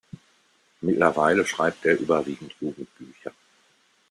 Mittlerweile schreibt er überwiegend Jugendbücher.